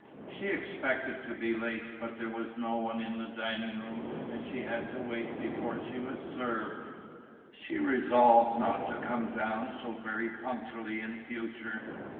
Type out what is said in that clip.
She expected to be late, but there was no one in the dining room and she had to wait before she was served. She resolved not to come down so very punctually in future.